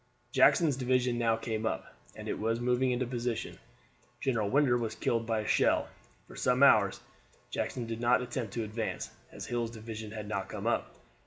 Jackson's division now came up, and as it was moving into position General Winder was killed by a shell. For some hours Jackson did not attempt to advance, as Hill's division had not come up.